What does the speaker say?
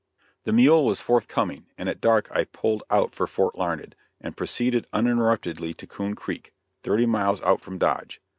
The mule was forthcoming, and at dark I pulled out for Fort Larned, and proceeded uninterruptedly to Coon Creek, thirty miles out from Dodge.